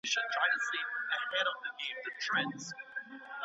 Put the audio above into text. ليونی اومعتوه دغيربالغ ماشوم په حکم کي دي، طلاق ئې نه واقع کيږي.